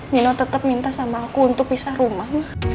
nino tetap minta sama aku untuk pisah rumah